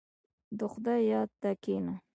• د خدای یاد ته کښېنه.